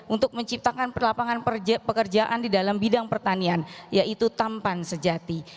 untuk menciptakan lapangan pekerjaan di dalam bidang pertanian yaitu tampan sejati